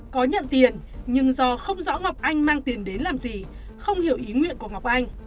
có nhận tiền nhưng do không rõ ngọc anh mang tiền đến làm gì không hiểu ý nguyện của ngọc anh